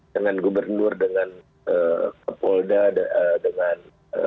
dengan gubernur dengan kapolda dengan